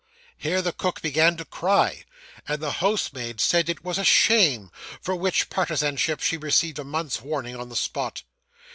Here the cook began to cry, and the housemaid said it was 'a shame!' for which partisanship she received a month's warning on the spot.